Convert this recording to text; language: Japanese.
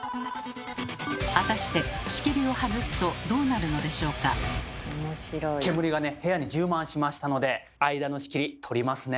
果たして煙がね部屋に充満しましたので間の仕切り取りますね。